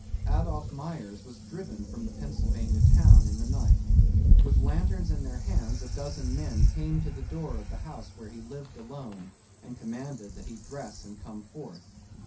Adolph Myers was driven from the Pennsylvania town in the night. With lanterns in their hands a dozen men came to the door of the house where he lived alone and commanded that he dress and come forth.